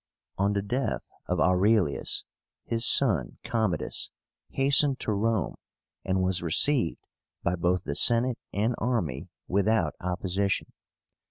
On the death of Aurelius, his son, Commodus, hastened to Rome, and was received by both the Senate and army without opposition.